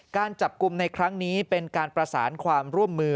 การจับกลุ่มในครั้งนี้เป็นการประสานความร่วมมือ